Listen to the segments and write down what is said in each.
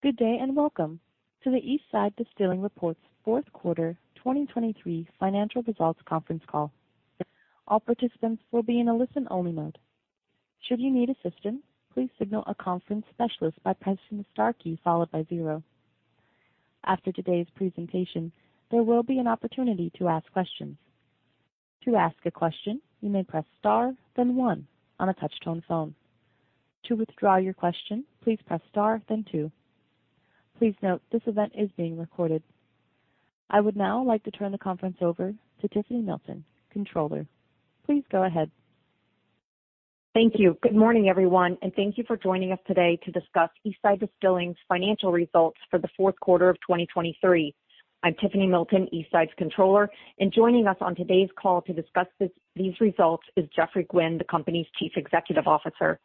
Good day, and welcome to the Eastside Distilling reports fourth quarter 2023 financial results conference call. All participants will be in a listen-only mode. Should you need assistance, please signal a conference specialist by pressing the star key followed by zero. After today's presentation, there will be an opportunity to ask questions. To ask a question, you may press star, then one on a touch-tone phone. To withdraw your question, please press star, then two. Please note, this event is being recorded. I would now like to turn the conference over to Tiffany Milton, Controller. Please go ahead. Thank you. Good morning, everyone, and thank you for joining us today to discuss Eastside Distilling's financial results for the fourth quarter of 2023. I'm Tiffany Milton, Eastside's Controller, and joining us on today's call to discuss this, these results is Geoffrey Gwin, the company's Chief Executive Officer.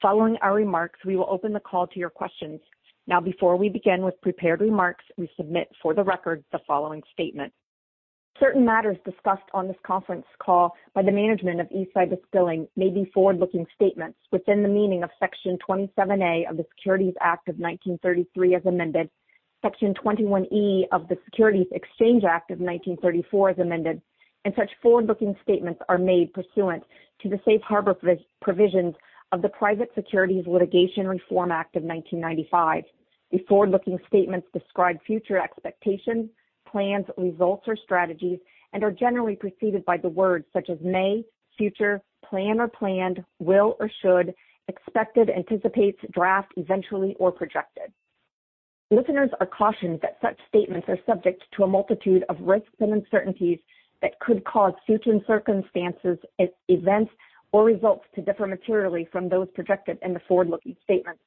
Following our remarks, we will open the call to your questions. Now, before we begin with prepared remarks, we submit for the record the following statement. Certain matters discussed on this conference call by the management of Eastside Distilling may be forward-looking statements within the meaning of Section 27A of the Securities Act of 1933, as amended, Section 21E of the Securities Exchange Act of 1934, as amended, and such forward-looking statements are made pursuant to the safe harbor provisions of the Private Securities Litigation Reform Act of 1995. The forward-looking statements describe future expectations, plans, results, or strategies and are generally preceded by the words such as may, future, plan or planned, will or should, expected, anticipates, draft, eventually, or projected. Listeners are cautioned that such statements are subject to a multitude of risks and uncertainties that could cause future circumstances, events or results to differ materially from those projected in the forward-looking statements.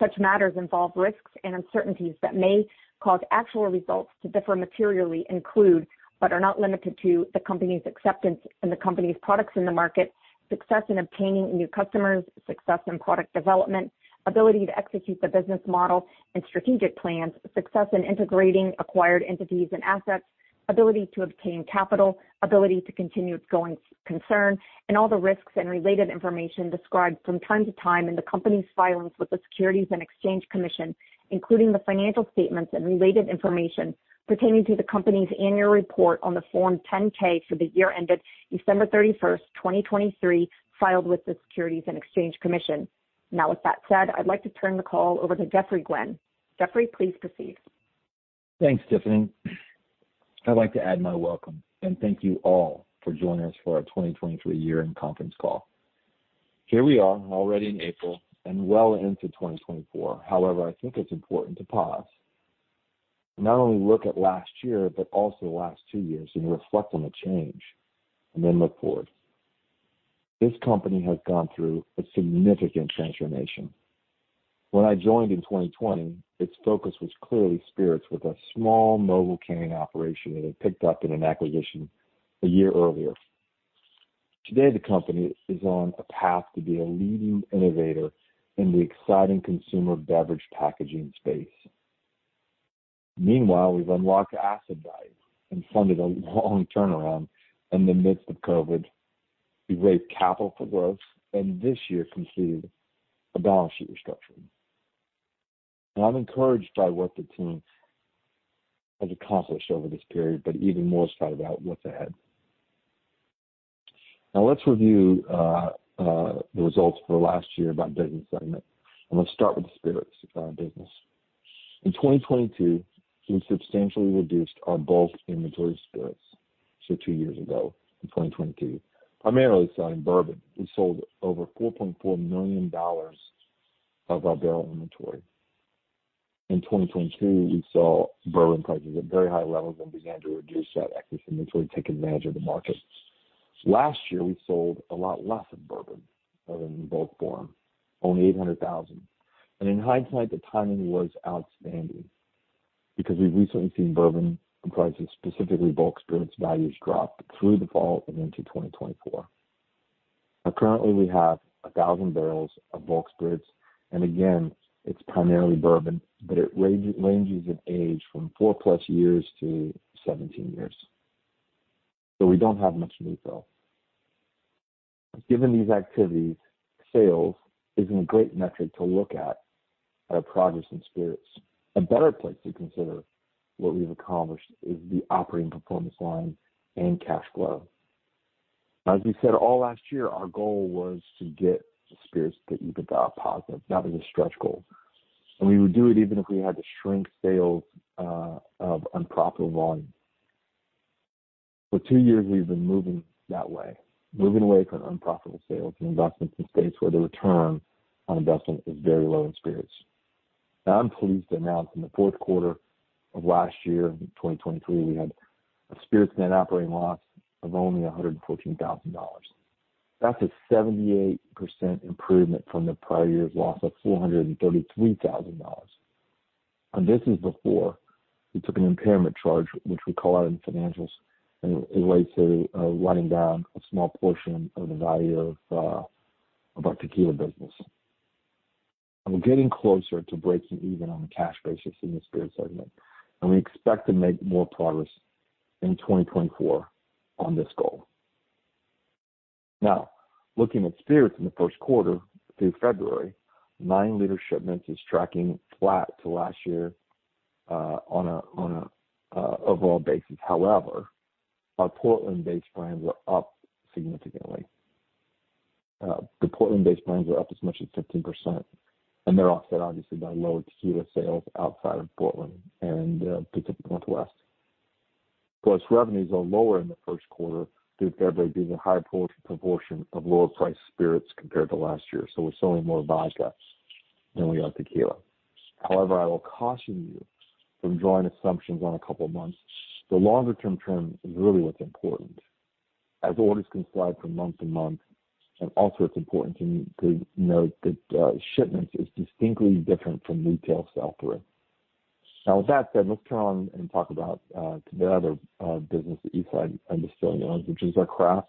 Such matters involve risks and uncertainties that may cause actual results to differ materially include, but are not limited to, the company's acceptance and the company's products in the market, success in obtaining new customers, success in product development, ability to execute the business model and strategic plans, success in integrating acquired entities and assets, ability to obtain capital, ability to continue its going concern, and all the risks and related information described from time to time in the company's filings with the Securities and Exchange Commission, including the financial statements and related information pertaining to the company's annual report on the Form 10-K for the year ended December 31, 2023, filed with the Securities and Exchange Commission. Now, with that said, I'd like to turn the call over to Geoffrey Gwin. Geoffrey, please proceed. Thanks, Tiffany. I'd like to add my welcome, and thank you all for joining us for our 2023 year-end conference call. Here we are, already in April and well into 2024. However, I think it's important to pause and not only look at last year, but also the last two years, and reflect on the change and then look forward. This company has gone through a significant transformation. When I joined in 2020, its focus was clearly spirits, with a small mobile canning operation that it picked up in an acquisition a year earlier. Today, the company is on a path to be a leading innovator in the exciting consumer beverage packaging space. Meanwhile, we've unlocked asset value and funded a long turnaround in the midst of COVID. We raised capital for growth, and this year completed a balance sheet restructuring. I'm encouraged by what the team has accomplished over this period, but even more excited about what's ahead. Now let's review the results for last year by business segment, and let's start with the spirits business. In 2022, we substantially reduced our bulk inventory spirits. So two years ago, in 2022, primarily selling bourbon, we sold over $4.4 million of our barrel inventory. In 2022, we saw bourbon prices at very high levels and began to reduce that excess inventory, take advantage of the market. Last year, we sold a lot less of bourbon than in bulk form, only $800,000. And in hindsight, the timing was outstanding because we've recently seen bourbon prices, specifically bulk spirits values, drop through the fall and into 2024. Now, currently we have 1,000 barrels of bulk spirits, and again, it's primarily bourbon, but it ranges in age from four+ years to 17 years. So we don't have much refill. Given these activities, sales isn't a great metric to look at our progress in spirits. A better place to consider what we've accomplished is the operating performance line and cash flow. As we said all last year, our goal was to get the spirits EBITDA positive. That was a stretch goal, and we would do it even if we had to shrink sales of unprofitable volume. For two years, we've been moving that way, moving away from unprofitable sales and investments in states where the return on investment is very low in spirits. Now, I'm pleased to announce in the fourth quarter of last year, 2023, we had a spirits net operating loss of only $114,000. That's a 78% improvement from the prior year's loss of $433,000. And this is before we took an impairment charge, which we call out in financials, and it relates to writing down a small portion of the value of of our tequila business. And we're getting closer to breaking even on a cash basis in the spirit segment, and we expect to make more progress in 2024 on this goal. Now, looking at spirits in the first quarter through February, 9-liter shipments is tracking flat to last year on an overall basis. However, our Portland-based brands are up significantly. The Portland-based brands are up as much as 15%, and they're offset obviously by lower tequila sales outside of Portland and the Pacific Northwest. Plus, revenues are lower in the first quarter through February, due to the higher portion, proportion of lower-priced spirits compared to last year. So we're selling more vodkas than we are tequila. However, I will caution you from drawing assumptions on a couple of months. The longer-term trend is really what's important, as orders can slide from month to month. And also, it's important to note that shipments is distinctly different from retail sell-through. Now, with that said, let's turn on and talk about the other business that Eastside Distilling owns, which is our Craft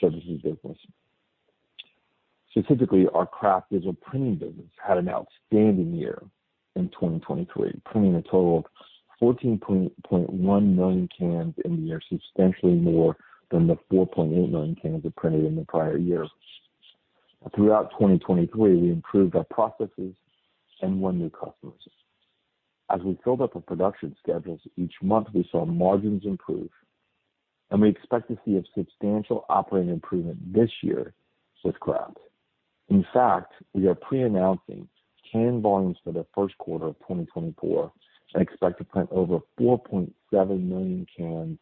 services business. Specifically, our Craft digital printing business had an outstanding year in 2023, printing a total of 14.1 million cans in the year, substantially more than the 4.8 million cans it printed in the prior year. Throughout 2023, we improved our processes and won new customers. As we filled up our production schedules, each month we saw margins improve, and we expect to see a substantial operating improvement this year with Craft. In fact, we are pre-announcing can volumes for the first quarter of 2024, and expect to print over 4.7 million cans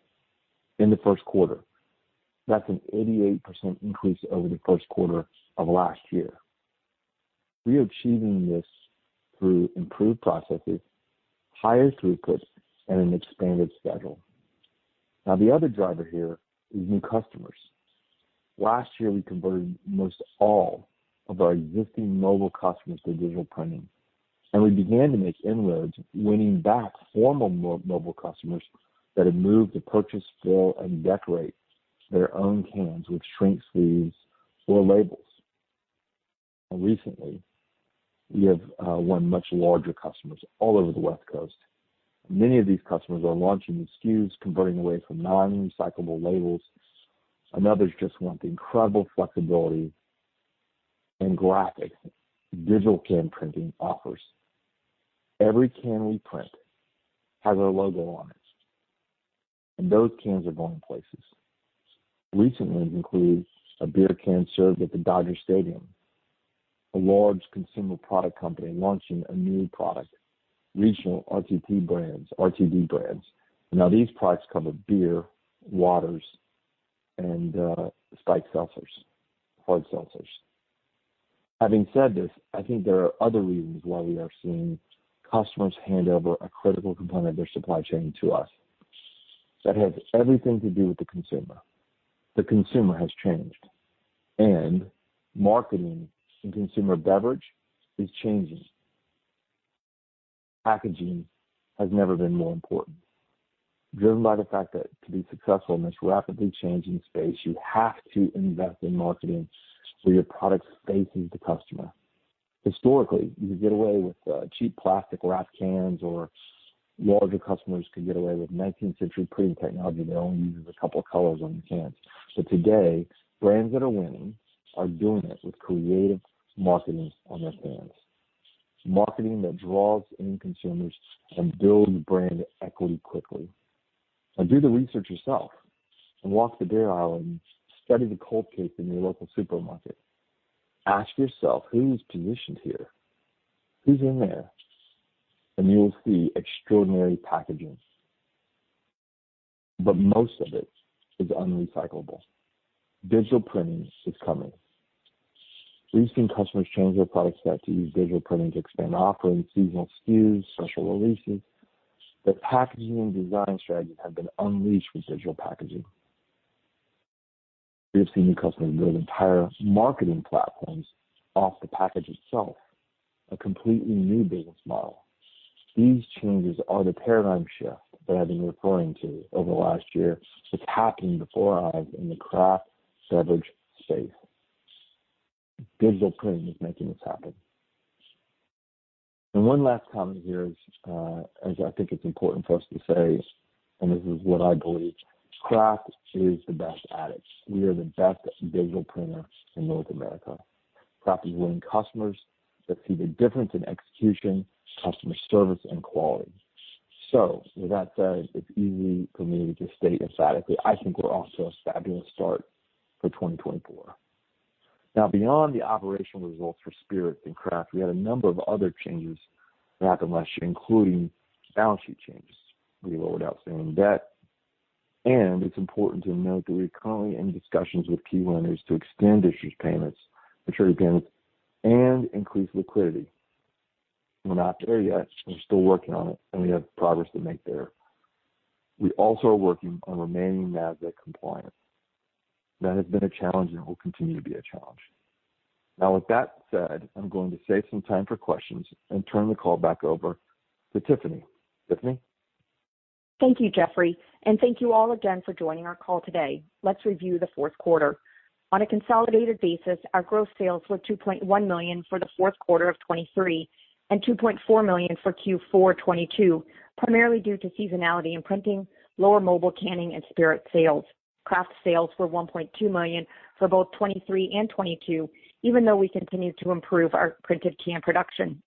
in the first quarter. That's an 88% increase over the first quarter of last year. We are achieving this through improved processes, higher throughput, and an expanded schedule. Now, the other driver here is new customers. Last year, we converted most all of our existing mobile customers to digital printing, and we began to make inroads, winning back former mobile customers that had moved to purchase, fill, and decorate their own cans with shrink sleeves or labels. Recently, we have won much larger customers all over the West Coast. Many of these customers are launching SKUs, converting away from non-recyclable labels, and others just want the incredible flexibility and graphic digital can printing offers. Every can we print has our logo on it, and those cans are going places. Recently, it includes a beer can served at the Dodger Stadium, a large consumer product company launching a new product, regional RTD brands, RTD brands. Now these products cover beer, waters, and spiked seltzers, hard seltzers. Having said this, I think there are other reasons why we are seeing customers hand over a critical component of their supply chain to us. That has everything to do with the consumer. The consumer has changed, and marketing in consumer beverage is changing. Packaging has never been more important, driven by the fact that to be successful in this rapidly changing space, you have to invest in marketing, so your product faces the customer. Historically, you could get away with cheap plastic wrap cans, or larger customers could get away with nineteenth-century printing technology that only uses a couple of colors on the cans. But today, brands that are winning are doing it with creative marketing on their cans, marketing that draws in consumers and builds brand equity quickly. Now do the research yourself and walk the beer aisle and study the cold case in your local supermarket. Ask yourself: Who is positioned here? Who's in there? And you will see extraordinary packaging, but most of it is unrecyclable. Digital printing is coming. We've seen customers change their product set to use digital printing to expand offerings, seasonal SKUs, special releases. The packaging and design strategies have been unleashed with digital packaging. We have seen new customers build entire marketing platforms off the package itself, a completely new business model. These changes are the paradigm shift that I've been referring to over the last year. It's happening before us in the Craft beverage space. Digital printing is making this happen. And one last comment here is, as I think it's important for us to say, and this is what I believe, Craft is the best at it. We are the best digital printer in North America. Craft is winning customers that see the difference in execution, customer service, and quality. So with that said, it's easy for me to just state emphatically, I think we're off to a fabulous start for 2024. Now, beyond the operational results for spirits and Craft, we had a number of other changes last year, including balance sheet changes. We lowered outstanding debt, and it's important to note that we're currently in discussions with key lenders to extend issued payments, maturity payments, and increase liquidity. We're not there yet. We're still working on it, and we have progress to make there. We also are working on remaining NASDAQ compliant. That has been a challenge and will continue to be a challenge. Now, with that said, I'm going to save some time for questions and turn the call back over to Tiffany. Tiffany? ...Thank you, Geoffrey, and thank you all again for joining our call today. Let's review the fourth quarter. On a consolidated basis, our growth sales were $2.1 million for the fourth quarter of 2023, and $2.4 million for Q4 2022, primarily due to seasonality in printing, lower mobile canning and spirit sales. Craft sales were $1.2 million for both 2023 and 2022, even though we continued to improve our printed can production.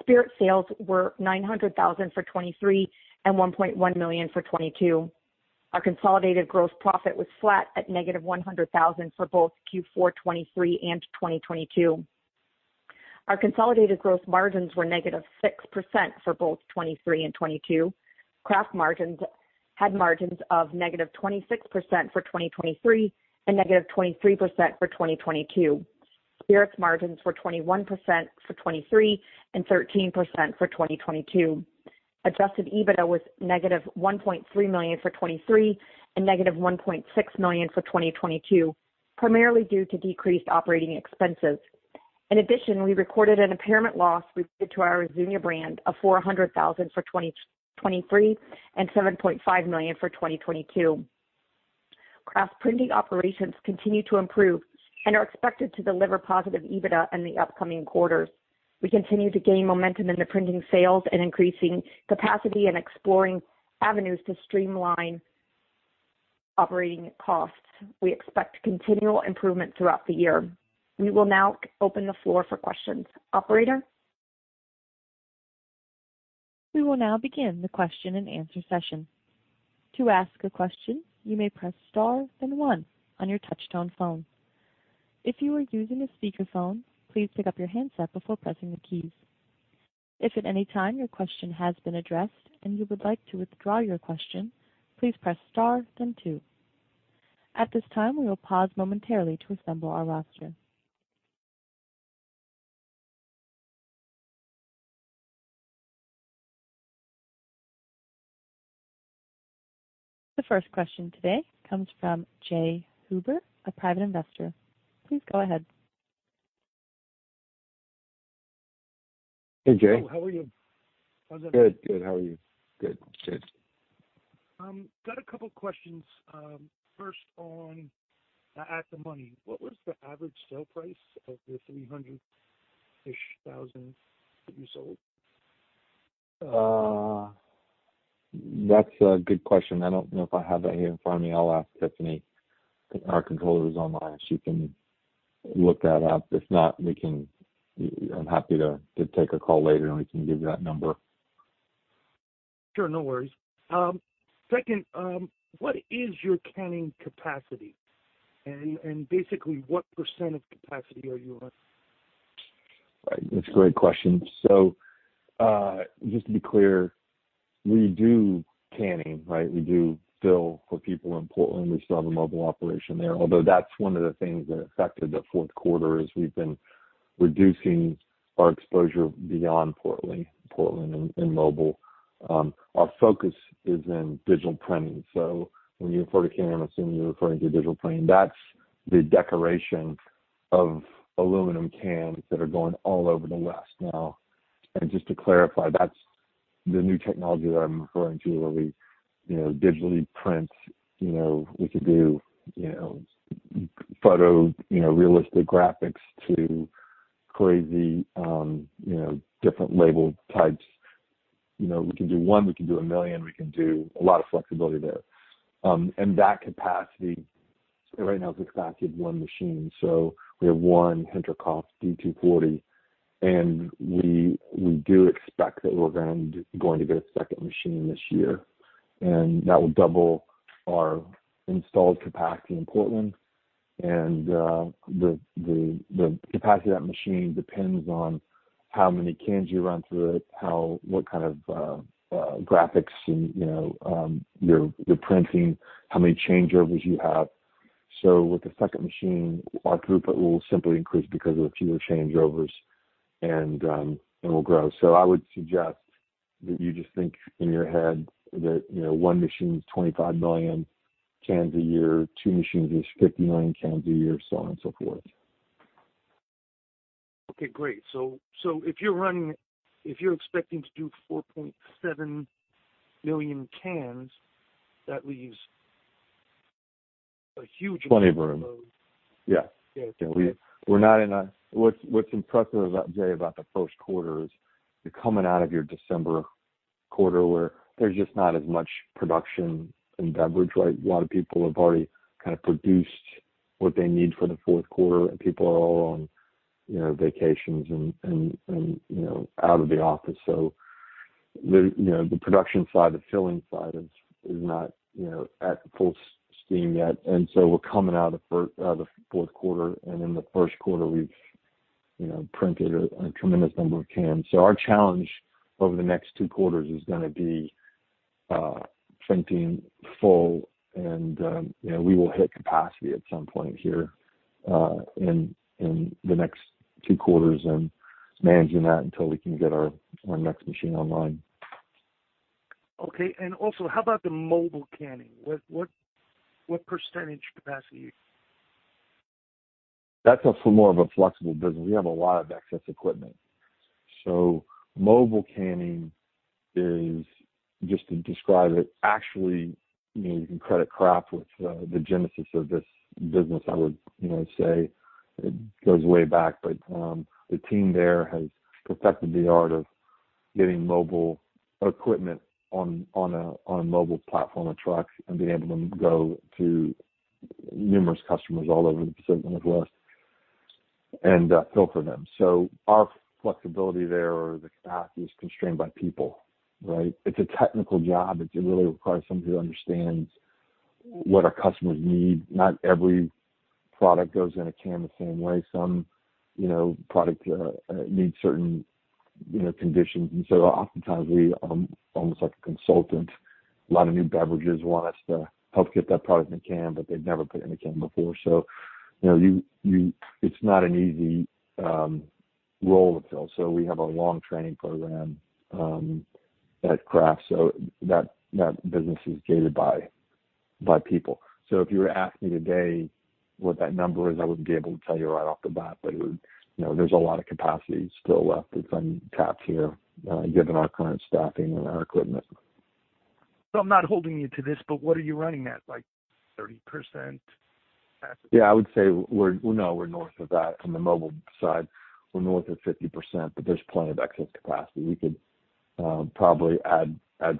Spirit sales were $900,000 for 2023 and $1.1 million for 2022. Our consolidated gross profit was flat at -$100,000 for both Q4 2023 and 2022. Our consolidated gross margins were -6% for both 2023 and 2022. Craft margins had margins of -26% for 2023 and -23% for 2022. Spirits margins were 21% for 2023 and 13% for 2022. Adjusted EBITDA was -$1.3 million for 2023 and -$1.6 million for 2022, primarily due to decreased operating expenses. In addition, we recorded an impairment loss related to our Azuñia brand of $400,000 for 2023 and $7.5 million for 2022. Craft printing operations continue to improve and are expected to deliver positive EBITDA in the upcoming quarters. We continue to gain momentum in the printing sales and increasing capacity and exploring avenues to streamline operating costs. We expect continual improvement throughout the year. We will now open the floor for questions. Operator? We will now begin the question and answer session. To ask a question, you may press star and one on your touchtone phone. If you are using a speakerphone, please pick up your handset before pressing the keys. If at any time your question has been addressed and you would like to withdraw your question, please press star then two. At this time, we will pause momentarily to assemble our roster. The first question today comes from Jay Huber, a private investor. Please go ahead. Hey, Jay. How are you? How's it...? Good, good. How are you? Good, good. Got a couple of questions. First on at the money, what was the average sale price of the 300-ish thousand that you sold? That's a good question. I don't know if I have that here in front of me. I'll ask Tiffany, our Controller, who is online. She can look that up. If not, we can... I'm happy to take a call later, and we can give you that number. Sure, no worries. Second, what is your canning capacity? And basically, what % of capacity are you on? Right, that's a great question. So, just to be clear, we do canning, right? We do fill for people in Portland. We still have a mobile operation there. Although that's one of the things that affected the fourth quarter, is we've been reducing our exposure beyond Portland, Portland and, and mobile. Our focus is in digital printing. So when you refer to canning, I'm assuming you're referring to digital printing. That's the decoration of aluminum cans that are going all over the West now. And just to clarify, that's the new technology that I'm referring to, where we, you know, digitally print. You know, we could do, you know, photo, you know, realistic graphics to crazy, you know, different label types. You know, we can do one, we can do a million, we can do a lot of flexibility there. And that capacity right now is capacity of one machine. So we have one Koenig & Bauer Durst Delta SPC 130, and we do expect that we're going to get a second machine this year, and that will double our installed capacity in Portland. And, the capacity of that machine depends on how many cans you run through it, how what kind of graphics and, you know, you're printing, how many changeovers you have. So with the second machine, our throughput will simply increase because of fewer changeovers, and will grow. So I would suggest that you just think in your head that, you know, one machine is 25 million cans a year, two machines is 50 million cans a year, so on and so forth. Okay, great. So, so if you're expecting to do 4.7 million cans, that leaves a huge- Plenty of room. Yeah. Yeah. We're not in a... What's impressive about, Jay, about the first quarter is you're coming out of your December quarter, where there's just not as much production in beverage, right? A lot of people have already kind of produced what they need for the fourth quarter, and people are all on, you know, vacations and you know, out of the office. So the, you know, the production side, the filling side is not, you know, at full steam yet. And so we're coming out of the fourth quarter, and in the first quarter we've, you know, printed a tremendous number of cans. So our challenge over the next two quarters is gonna be printing full, and you know, we will hit capacity at some point here in the next two quarters and managing that until we can get our next machine online. Okay, and also, how about the mobile canning? What percentage capacity? ... That's more of a flexible business. We have a lot of excess equipment. So mobile canning is, just to describe it, actually, you know, you can credit Craft with the genesis of this business. I would, you know, say it goes way back, but the team there has perfected the art of getting mobile equipment on a mobile platform of trucks, and being able to go to numerous customers all over the Pacific Northwest and fill for them. So our flexibility there, or the capacity is constrained by people, right? It's a technical job. It really requires somebody who understands what our customers need. Not every product goes in a can the same way. Some, you know, product needs certain, you know, conditions. Oftentimes we almost like a consultant, a lot of new beverages want us to help get that product in a can, but they've never put it in a can before. So, you know, you—it's not an easy role to fill. So we have a long training program at Craft. So that business is gated by people. So if you were to ask me today what that number is, I wouldn't be able to tell you right off the bat, but it would, you know, there's a lot of capacity still left that's untapped here given our current staffing and our equipment. So I'm not holding you to this, but what are you running at? Like, 30%? Yeah, I would say we're—no, we're north of that. On the mobile side, we're north of 50%, but there's plenty of excess capacity. We could probably add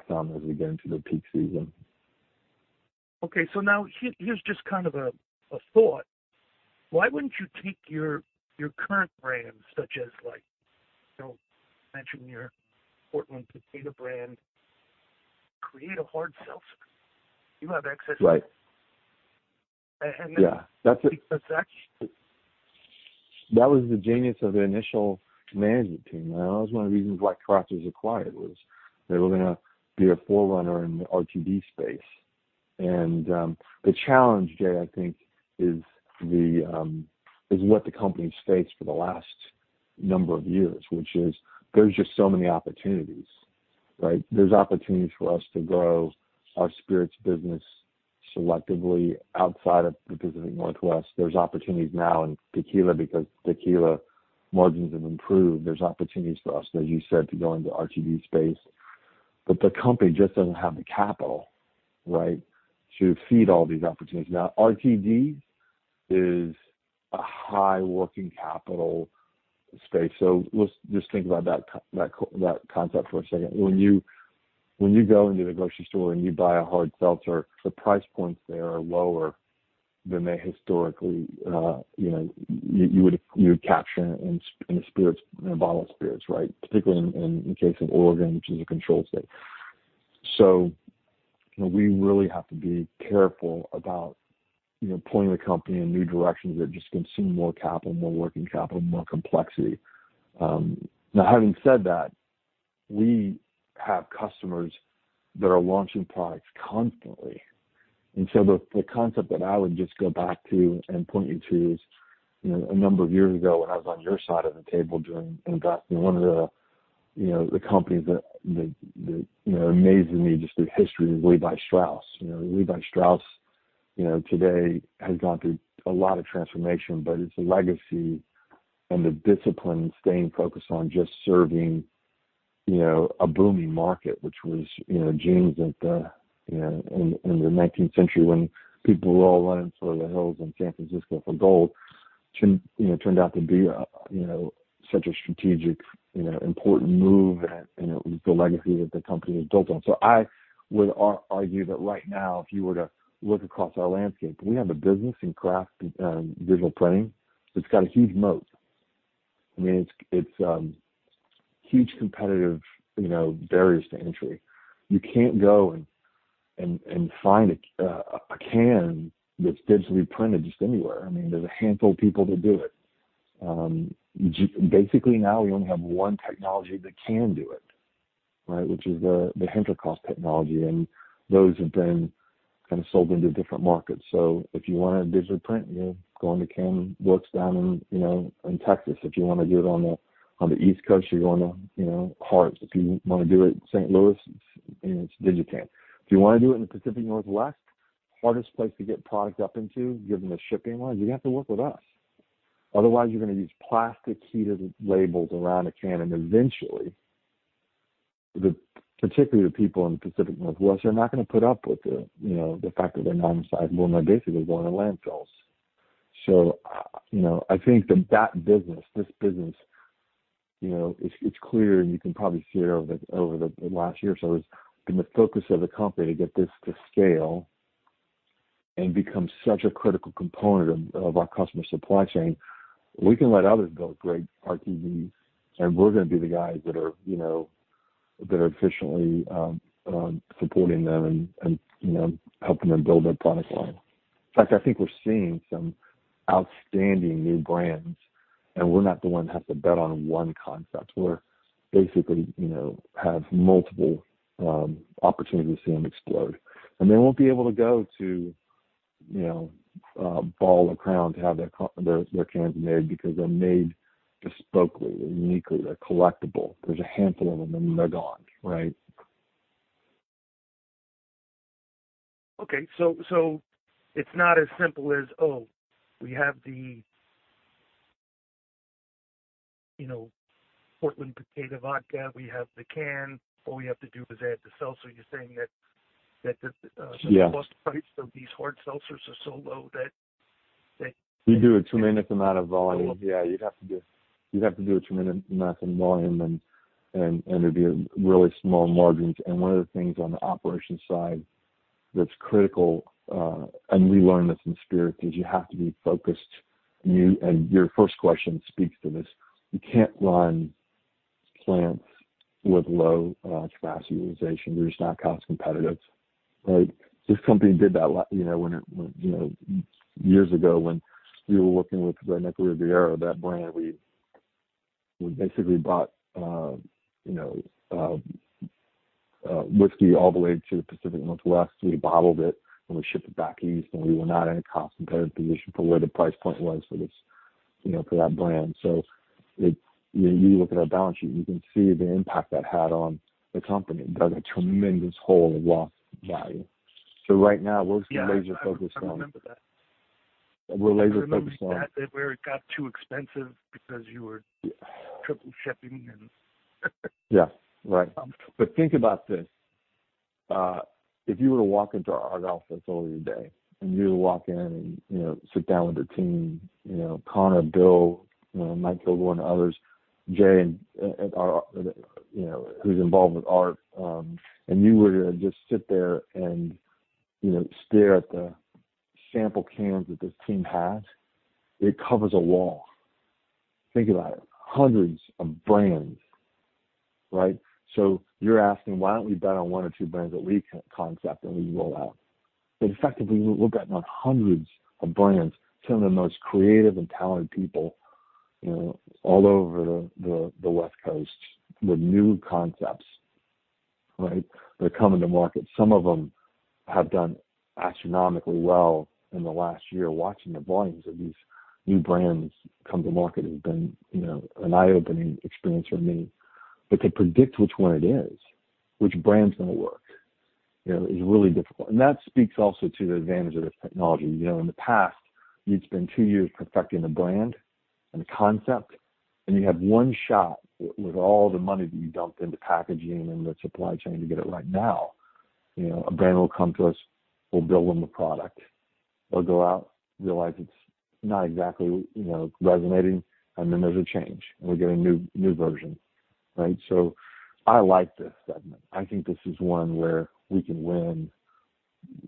some as we get into the peak season. Okay, so now here, here's just kind of a thought. Why wouldn't you take your current brands, such as, like, you know, mentioning your Portland Potato brand, create a hard seltzer? You have access- Right. And, and- Yeah, that's it. That's actually. That was the genius of the initial management team. Now, that was one of the reasons why Craft was acquired, was they were gonna be a forerunner in the RTD space. And, the challenge, Jay, I think, is what the company has faced for the last number of years, which is there's just so many opportunities, right? There's opportunities for us to grow our spirits business selectively outside of the Pacific Northwest. There's opportunities now in tequila, because tequila margins have improved. There's opportunities for us, as you said, to go into RTD space, but the company just doesn't have the capital, right, to feed all these opportunities. Now, RTD is a high working capital space, so let's just think about that concept for a second. When you go into the grocery store and you buy a hard seltzer, the price points there are lower than they historically, you know, you would capture in spirits, in a bottle of spirits, right? Particularly in case of Oregon, which is a control state. So, you know, we really have to be careful about, you know, pulling the company in new directions that just consume more capital, more working capital, more complexity. Now, having said that, we have customers that are launching products constantly. And so the concept that I would just go back to and point you to is, you know, a number of years ago, when I was on your side of the table doing investing, one of the, you know, the companies that, you know, amazed me just through history was Levi Strauss. You know, Levi Strauss, you know, today has gone through a lot of transformation, but it's a legacy and the discipline, staying focused on just serving, you know, a booming market, which was, you know, jeans at the, you know, in the nineteenth century, when people were all running for the hills in San Francisco for gold. Turned out to be, you know, such a strategic, you know, important move, and it was the legacy that the company was built on. So I would argue that right now, if you were to look across our landscape, we have a business in Craft digital printing that's got a huge moat. I mean, it's huge competitive, you know, barriers to entry. You can't go and find a can that's digitally printed just anywhere. I mean, there's a handful of people that do it. Basically, now we only have one technology that can do it, right, which is the Hinterkopf technology, and those have been kind of sold into different markets. So if you want a digital print, you're going to Canworks down in, you know, in Texas. If you want to do it on the East Coast, you're going to, you know, Hart. If you want to do it in St. Louis, it's DigiCan. If you want to do it in the Pacific Northwest, hardest place to get product up into, given the shipping lines, you're gonna have to work with us. Otherwise, you're going to use plastic heated labels around a can, and eventually, the, particularly the people in the Pacific Northwest, they're not going to put up with the, you know, the fact that they're non-recyclable and are basically going to landfills. So, you know, I think that that business, this business, you know, it's, it's clear, and you can probably see it over the, over the last year or so, is been the focus of the company to get this to scale and become such a critical component of, of our customer supply chain. We can let others build great RTDs, and we're gonna be the guys that are, you know, that are efficiently supporting them and, you know, helping them build their product line. In fact, I think we're seeing some outstanding new brands, and we're not the one to have to bet on one concept. We're basically, you know, have multiple opportunities to see them explode, and they won't be able to go to, you know, Ball or Crown to have their cans made because they're made bespokely and uniquely. They're collectible. There's a handful of them, and they're gone, right?... Okay, so, so it's not as simple as, oh, we have the, you know, Portland Potato Vodka, we have the can. All we have to do is add the seltzer. You're saying that, that the- Yeah plus price of these hard seltzers are so low that, You do a tremendous amount of volume. Yeah, you'd have to do a tremendous amount of volume and it'd be really small margins. And one of the things on the operation side that's critical, and we learned this in spirits, is you have to be focused. You and your first question speaks to this, you can't run plants with low capacity utilization. They're just not cost competitive, right? This company did that, you know, years ago, when we were working with the Riviera, that brand, we basically bought whiskey all the way to the Pacific Northwest. We bottled it, and we shipped it back east, and we were not in a cost-competitive position for where the price point was for this, you know, for that brand. So if you look at our balance sheet, you can see the impact that had on the company. It dug a tremendous hole of lost value. So right now we're laser focused on- Yeah, I remember that. We're laser focused on- Where it got too expensive because you were triple shipping and Yeah, right. But think about this, if you were to walk into our office facility today, and you were to walk in and, you know, sit down with the team, you know, Conor, Bill, you know, Mike Kilgore, and others, Jay, and, our, you know, who's involved with art, and you were to just sit there and, you know, stare at the sample cans that this team has, it covers a wall. Think about it, hundreds of brands, right? So you're asking, why don't we bet on one or two brands that we con-concept and we roll out? But effectively, we're betting on hundreds of brands, some of the most creative and talented people, you know, all over the, the, the West Coast, with new concepts, right? That are coming to market. Some of them have done astronomically well in the last year. Watching the volumes of these new brands come to market has been, you know, an eye-opening experience for me. But to predict which one it is, which brand's gonna work, you know, is really difficult. That speaks also to the advantage of this technology. You know, in the past, you'd spend two years perfecting a brand and a concept, and you have one shot with all the money that you dumped into packaging and the supply chain to get it right now. You know, a brand will come to us, we'll build them the product. They'll go out, realize it's not exactly, you know, resonating, and then there's a change, and we get a new version, right? So I like this segment. I think this is one where we can win.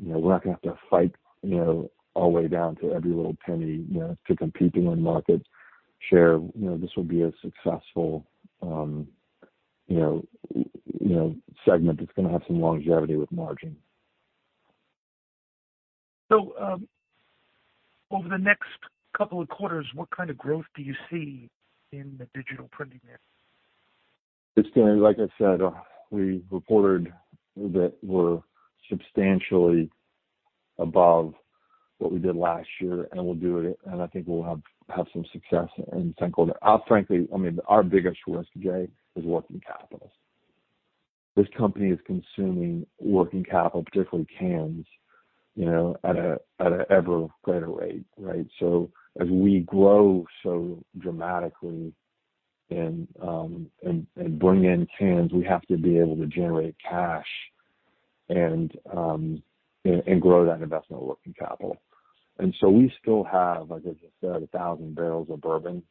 You know, we're not gonna have to fight, you know, all the way down to every little penny, you know, to compete and win market share. You know, this will be a successful, you know, you know, segment. It's gonna have some longevity with margin. Over the next couple of quarters, what kind of growth do you see in the digital printing niche? It's gonna. Like I said, we reported that we're substantially above what we did last year, and we'll do it, and I think we'll have some success in second quarter. Frankly, I mean, our biggest risk today is working capital. This company is consuming working capital, particularly cans, you know, at an ever greater rate, right? So as we grow so dramatically and bring in cans, we have to be able to generate cash and grow that investment working capital. And so we still have, like I just said, 1,000 barrels of bourbon,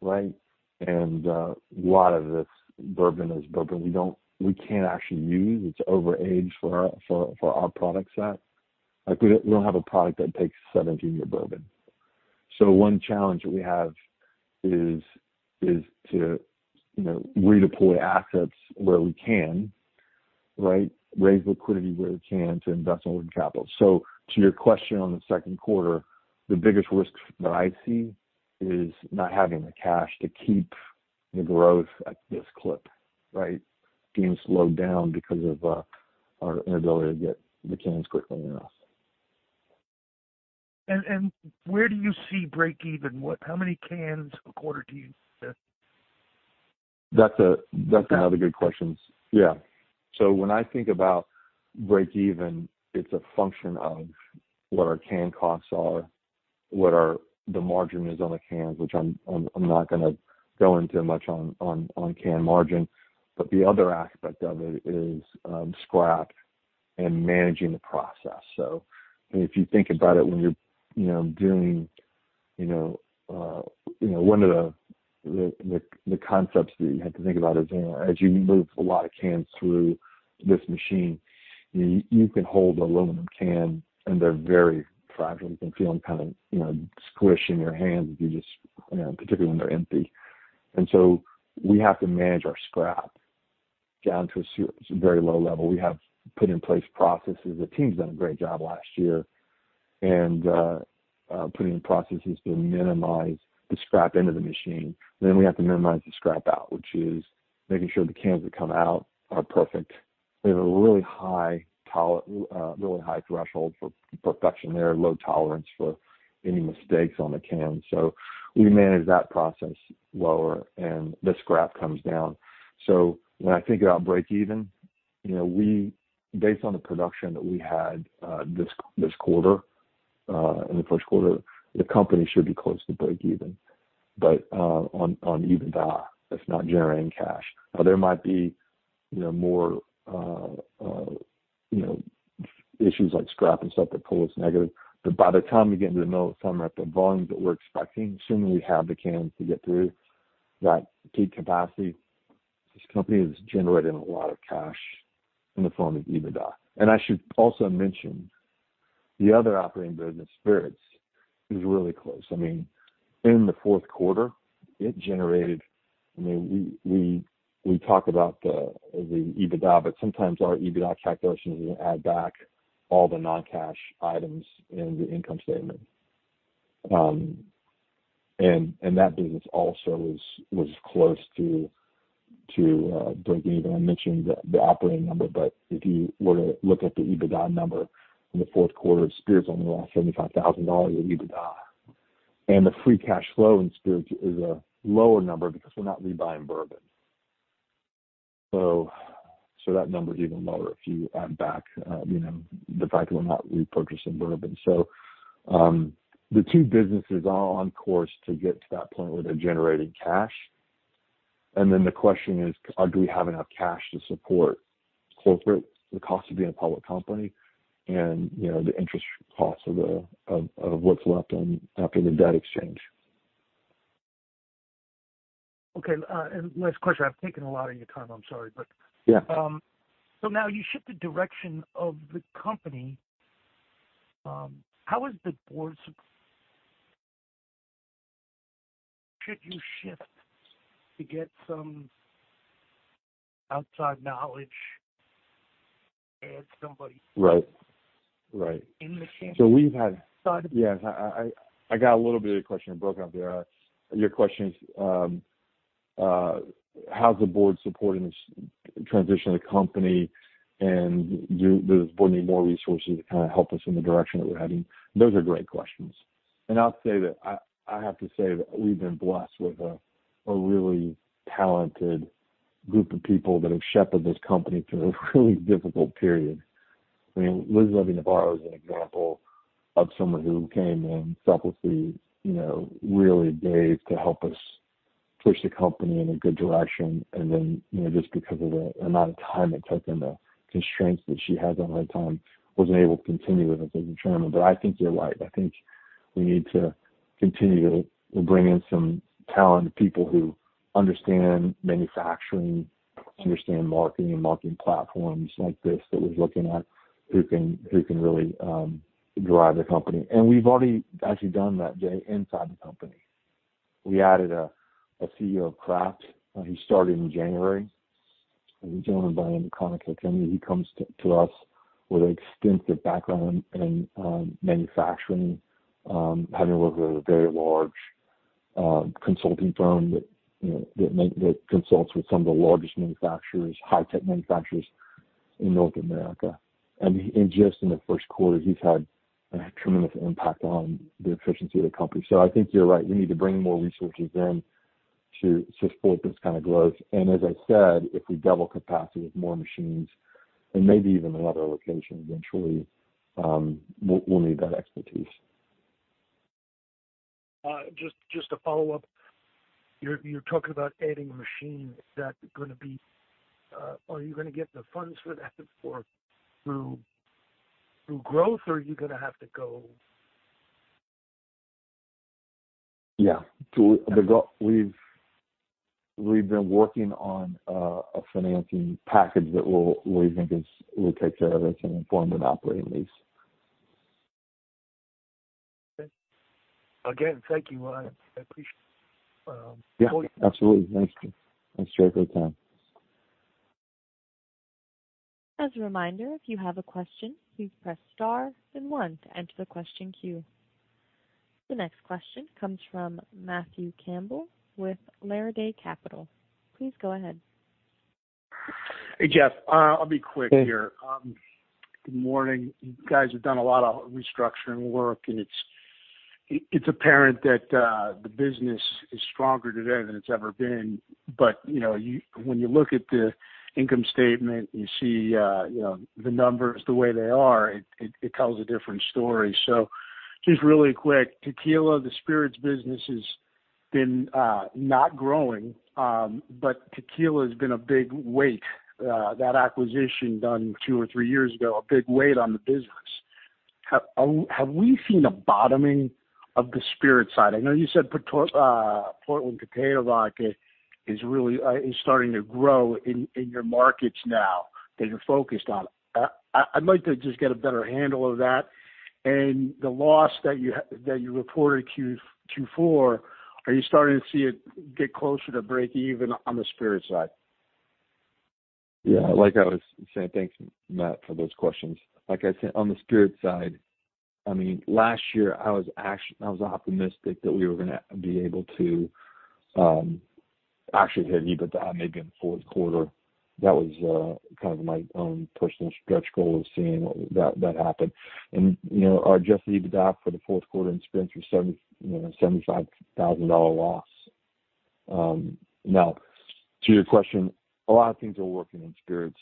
right? And a lot of this bourbon is bourbon we don't. We can't actually use. It's overage for our product set. Like, we don't have a product that takes 17-year bourbon. One challenge that we have is to, you know, redeploy assets where we can, right? Raise liquidity where we can to invest in working capital. To your question on the second quarter, the biggest risk that I see is not having the cash to keep the growth at this clip, right? Being slowed down because of our inability to get the cans quickly enough. Where do you see break even? What, how many cans a quarter do you say? That's another good question. Yeah. So when I think about break even, it's a function of what our can costs are, what the margin is on the cans, which I'm not gonna go into much on can margin. But the other aspect of it is scrap and managing the process. So if you think about it, when you're you know doing you know one of the concepts that you have to think about is, as you move a lot of cans through this machine, you can hold an aluminum can, and they're very fragile. You can feel them kind of you know squish in your hands if you just you know particularly when they're empty. And so we have to manage our scrap down to a very low level. We have put in place processes. The team's done a great job last year and putting in processes to minimize the scrap into the machine. Then we have to minimize the scrap out, which is making sure the cans that come out are perfect. We have a really high threshold for perfection there, low tolerance for any mistakes on the can. So we manage that process lower, and the scrap comes down. So when I think about break even, you know, we—based on the production that we had, in the first quarter, the company should be close to breakeven, but, on EBITDA, that's not generating cash. Now, there might be, you know, more, you know, issues like scrap and stuff that pull us negative. But by the time we get into the middle of summer, at the volumes that we're expecting, assuming we have the cans to get through that peak capacity, this company is generating a lot of cash in the form of EBITDA. And I should also mention, the other operating business, Spirits, is really close. I mean, in the fourth quarter, it generated. I mean, we talk about the EBITDA, but sometimes our EBITDA calculations, we add back all the non-cash items in the income statement. And that business also was close to breaking even. I mentioned the operating number, but if you were to look at the EBITDA number in the fourth quarter, Spirits only lost $75,000 in EBITDA. And the free cash flow in Spirits is a lower number because we're not rebuying bourbon. So, that number is even lower if you add back, you know, the fact that we're not repurchasing bourbon. So, the two businesses are on course to get to that point where they're generating cash. And then the question is, do we have enough cash to support corporate, the cost of being a public company, and, you know, the interest costs of the, of, of what's left on after the debt exchange? Okay, and last question. I've taken a lot of your time, I'm sorry, but- Yeah. So now you shift the direction of the company, how is the board... Should you shift to get some outside knowledge, add somebody? Right. Right. In the- So we've had- Sorry. Yes, I got a little bit of your question. It broke up there. Your question is, how's the board supporting this transition of the company, and does the board need more resources to kind of help us in the direction that we're heading? Those are great questions, and I'll say that, I have to say that we've been blessed with a really talented group of people that have shepherded this company through a really difficult period. I mean, Liz Levy-Navarro is an example of someone who came in selflessly, you know, really brave, to help us push the company in a good direction, and then, you know, just because of the amount of time it took and the constraints that she had on her time, wasn't able to continue with us as a chairman. But I think you're right. I think we need to continue to bring in some talented people who understand manufacturing, understand marketing and marketing platforms like this that we're looking at, who can, who can really drive the company. We've already actually done that, Jay, inside the company. We added a CEO of Craft. He started in January, a gentleman by the name of Conor Kilkenny. He comes to us with an extensive background in manufacturing, having worked with a very large consulting firm that you know consults with some of the largest manufacturers, high-tech manufacturers in North America. And just in the first quarter, he's had a tremendous impact on the efficiency of the company. So I think you're right. We need to bring more resources in to support this kind of growth. And as I said, if we double capacity with more machines and maybe even another location, eventually, we'll need that expertise. Just, just to follow up. You're, you're talking about adding machines. Is that gonna be... Are you gonna get the funds for that through, through growth, or are you gonna have to go? Yeah. We've, we've been working on a financing package that we'll, we think is, will take care of it in the form of an operating lease. Okay. Again, thank you. I appreciate. Yeah, absolutely. Thanks. Thanks, Jay. Great time. As a reminder, if you have a question, please press star then 1 to enter the question queue. The next question comes from Matthew Campbell with Laridae Capital. Please go ahead. Hey, Jeff. I'll be quick here. Hey. Good morning. You guys have done a lot of restructuring work, and it's apparent that the business is stronger today than it's ever been. But, you know, when you look at the income statement, you see, you know, the numbers the way they are, it tells a different story. So just really quick, Tequila, the Spirits business, has been not growing, but Tequila has been a big weight, that acquisition done two or three years ago, a big weight on the business. Have we seen a bottoming of the Spirits side? I know you said Portland Potato Vodka is really starting to grow in your markets now that you're focused on. I'd like to just get a better handle of that. The loss that you reported Q4, are you starting to see it get closer to breakeven on the Spirits side? Yeah, like I was saying. Thanks, Matt, for those questions. Like I said, on the Spirits side, I mean, last year I was optimistic that we were gonna be able to actually hit EBITDA maybe in the fourth quarter. That was kind of my own personal stretch goal of seeing that happen. And, you know, our Adjusted EBITDA for the fourth quarter in Spirits was $75,000 loss. Now to your question, a lot of things are working in spirits.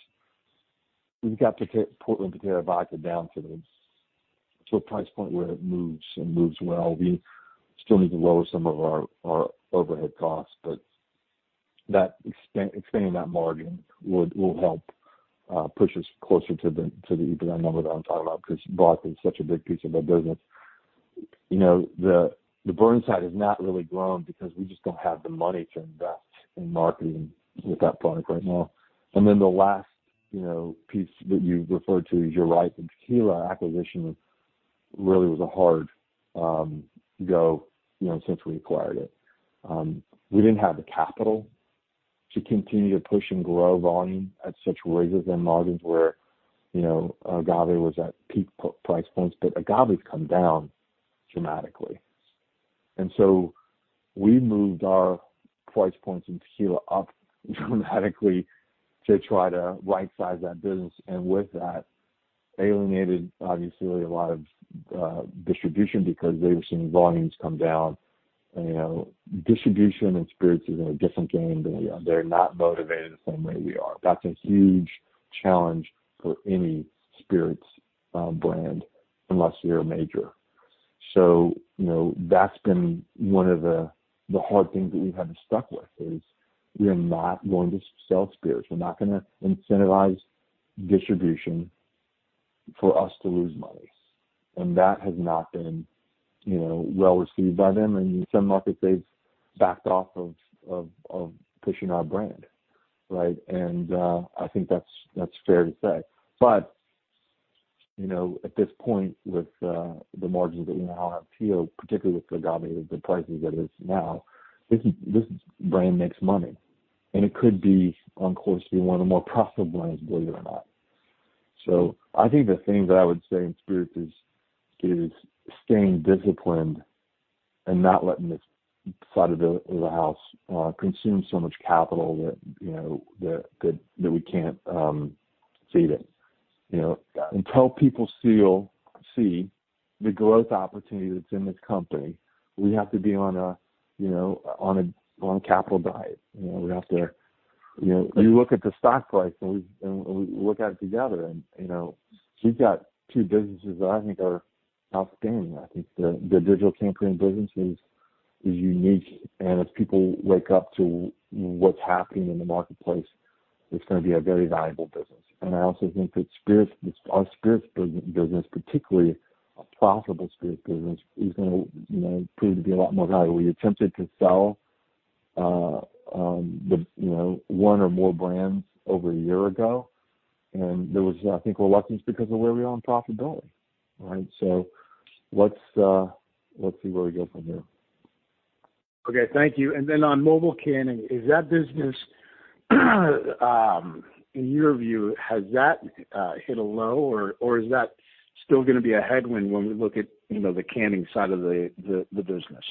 We've got to get Portland Potato Vodka down to a price point where it moves and moves well. We still need to lower some of our overhead costs, but expanding that margin would, will help push us closer to the EBITDA number that I'm talking about, 'cause vodka is such a big piece of that business. You know, the Burnside has not really grown because we just don't have the money to invest in marketing with that product right now. And then the last, you know, piece that you referred to, you're right, the tequila acquisition really was a hard go, you know, since we acquired it. We didn't have the capital to continue to push and grow volume at such rates as then margins were, you know, agave was at peak price points, but agave's come down dramatically. And so we moved our price points in tequila up dramatically to try to rightsize that business, and with that, alienated, obviously, a lot of distribution because they were seeing volumes come down. You know, distribution and spirits is a different game. They, they're not motivated the same way we are. That's a huge challenge for any spirits brand, unless you're a major. So, you know, that's been one of the hard things that we've had to stick with, is we are not going to sell spirits. We're not gonna incentivize distribution for us to lose money, and that has not been, you know, well received by them. In some markets, they've backed off of pushing our brand, right? And I think that's fair to say. But, you know, at this point, with the margins that we now have tequila, particularly with agave, the prices that it is now, this brand makes money, and it could be on course to be one of the more profitable brands, believe it or not. So I think the thing that I would say in spirits is staying disciplined and not letting this side of the house consume so much capital that, you know, we can't feed it. You know, until people see the growth opportunity that's in this company, we have to be on a, you know, capital diet. You know, we have to... You know, you look at the stock price, and we look at it together, and, you know, we've got two businesses that I think are outstanding. I think the digital printing business is unique, and as people wake up to what's happening in the marketplace, it's gonna be a very valuable business. And I also think that spirits, our spirits business, particularly a profitable spirits business, is gonna, you know, prove to be a lot more valuable. We attempted to sell, you know, one or more brands over a year ago, and there was, I think, reluctance because of where we are in profitability, right? So let's see where we go from here. Okay, thank you. And then on mobile canning, is that business, in your view, has that hit a low, or is that still gonna be a headwind when we look at, you know, the canning side of the business?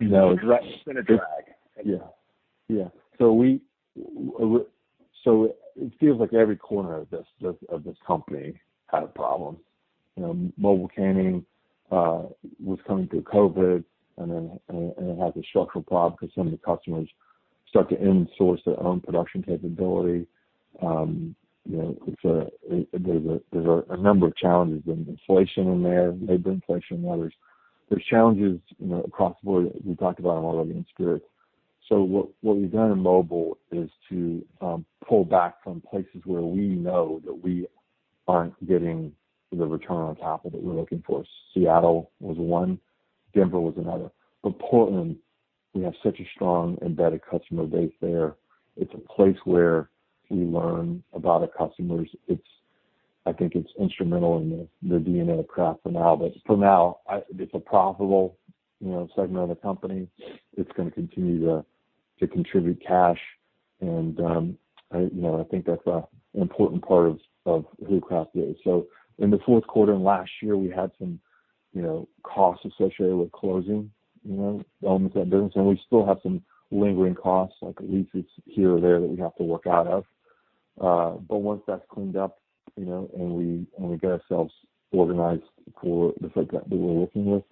No. Is that been a drag? Yeah. Yeah. So we, so it feels like every corner of this, of this company had a problem. You know, mobile canning was coming through COVID, and then it had the structural problem because some of the customers started to insource their own production capability. You know, there are a number of challenges. There's inflation in there, labor inflation and others. There are challenges, you know, across the board. We talked about them already in spirits. So what we've done in mobile is to pull back from places where we know that we aren't getting the return on capital that we're looking for. Seattle was one, Denver was another. But Portland, we have such a strong embedded customer base there. It's a place where we learn about our customers. I think it's instrumental in the DNA of Craft for now, but for now, it's a profitable, you know, segment of the company. It's gonna continue to contribute cash, and, you know, I think that's a important part of who Craft is. So in the fourth quarter and last year, we had some, you know, costs associated with closing, you know, elements of that business, and we still have some lingering costs, like a lease here or there, that we have to work out of. But once that's cleaned up, you know, and we get ourselves organized for the footprint that we're working with,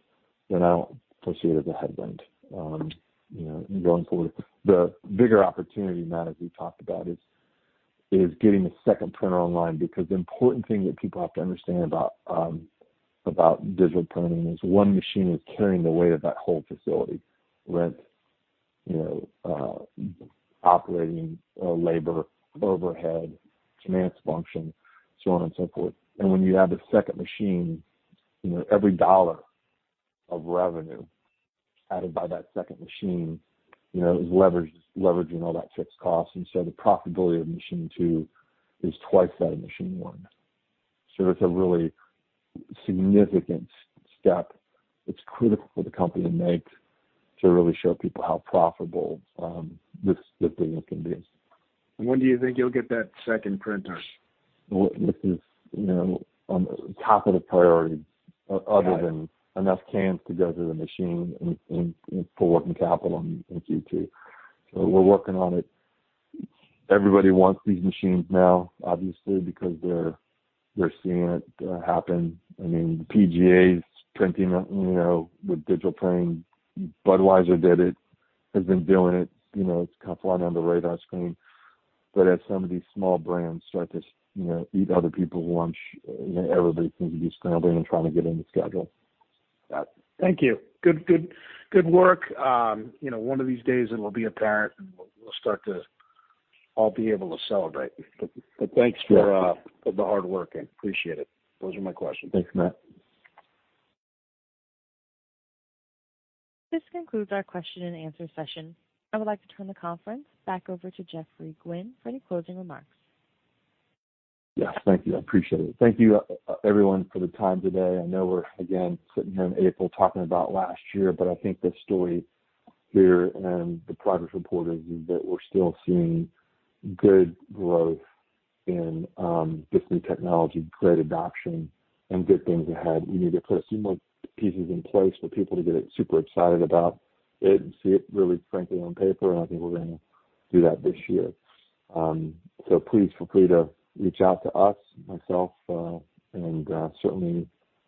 then I don't foresee it as a headwind, you know, going forward. The bigger opportunity, Matt, as we talked about, is getting the second printer online, because the important thing that people have to understand about digital printing is one machine is carrying the weight of that whole facility, rent, you know, operating, labor, overhead, finance function, so on and so forth. And when you add the second machine, you know, every dollar of revenue added by that second machine, you know, is leverage, leveraging all that fixed cost, and so the profitability of machine two is twice that of machine one. So it's a really significant step that's critical for the company to make, to really show people how profitable this business can be. When do you think you'll get that second printer? Well, this is, you know, on top of the priority- Got it. other than enough cans to go through the machine and full working capital in Q2. So we're working on it. Everybody wants these machines now, obviously, because they're seeing it happen. I mean, PGA's printing, you know, with digital printing. Budweiser did it, has been doing it. You know, it's kind of flying under the radar screen. But as some of these small brands start to you know, eat other people's lunch, you know, everybody seems to be scrambling and trying to get in the schedule. Got it. Thank you. Good, good, good work. You know, one of these days it will be apparent, and we'll, we'll start to all be able to celebrate. Yeah. But thanks for the hard work, and appreciate it. Those are my questions. Thanks, Matt. This concludes our question and answer session. I would like to turn the conference back over to Geoffrey Gwin for any closing remarks. Yes, thank you. I appreciate it. Thank you, everyone, for the time today. I know we're, again, sitting here in April, talking about last year, but I think the story here and the progress reported is that we're still seeing good growth in this new technology, great adoption, and good things ahead. We need to put a few more pieces in place for people to get super excited about it and see it really frankly on paper, and I think we're gonna do that this year. So please feel free to reach out to us, myself, and certainly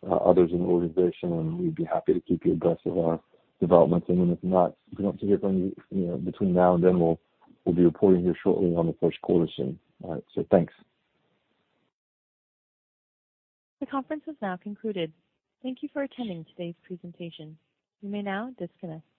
others in the organization, and we'd be happy to keep you abreast of our developments. And then if not, if you don't hear from me, you know, between now and then, we'll be reporting here shortly on the first quarter soon. All right. So thanks. The conference has now concluded. Thank you for attending today's presentation. You may now disconnect.